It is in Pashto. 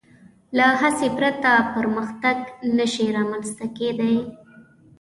له هڅې پرته پرمختګ نهشي رامنځ ته کېدی.